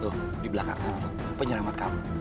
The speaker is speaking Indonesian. tuh lihat di belakang kamu penyelamat kamu